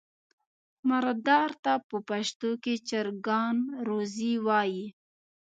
مرغدار ته په پښتو کې چرګان روزی وایي.